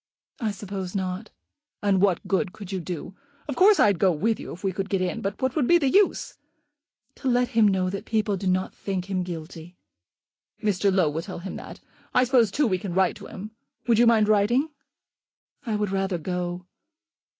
"I suppose not." "And what good could you do? Of course I'd go with you if we could get in; but what would be the use?" "To let him know that people do not think him guilty." "Mr. Low will tell him that. I suppose, too, we can write to him. Would you mind writing?" "I would rather go."